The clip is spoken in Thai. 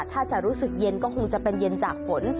ถ้าจะรู้สึกเย็นก็คงจะเป็นเย็นจากฝน